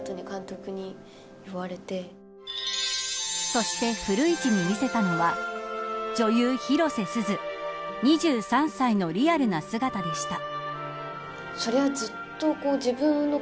そして、古市に見せたのは女優、広瀬すず２３歳のリアルな姿でした。